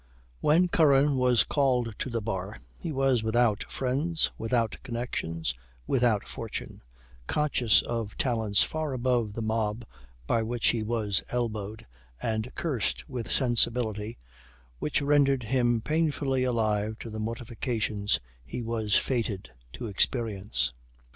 When Curran was called to the bar, he was without friends, without connections, without fortune, conscious of talents far above the mob by which he was elbowed, and cursed with sensibility, which rendered him painfully alive to the mortifications he was fated to experience.